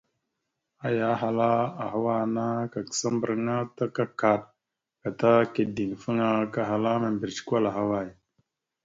Aya ahala: « Ahawa ana kakǝsa mbarǝŋa ta kakaɗ, gata kideŋfaŋa kahala mimbirec kwal ahaway? ».